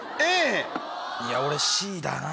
いや俺Ｃだな。